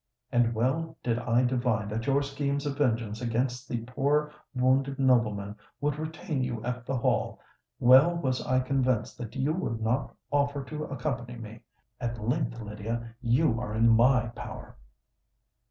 And well did I divine that your schemes of vengeance against the poor wounded nobleman would retain you at the Hall: well was I convinced that you would not offer to accompany me! At length, Lydia, you are in my power!"